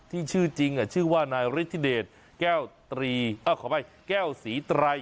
ที่ชื่อจริงอ่ะชื่อว่านายแก้วตรีอ่าขอไปแก้วสีไตร